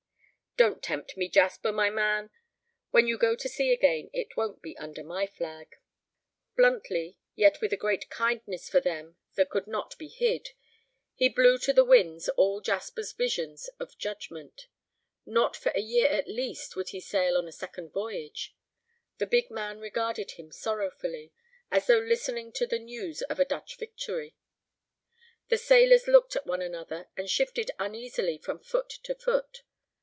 "Don't tempt me, Jasper, my man; when you go to sea again, it won't be under my flag." Bluntly, yet with a great kindness for them that could not be hid, he blew to the winds all Jasper's visions of judgment. Not for a year at least would he sail on a second voyage. The big man regarded him sorrowfully, as though listening to the news of a Dutch victory. The sailors looked at one another and shifted uneasily from foot to foot.